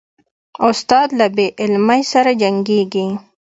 استاد له بې علمۍ سره جنګیږي.